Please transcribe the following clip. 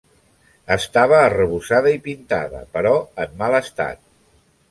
Estava arrebossada i pintada, però en mal estat.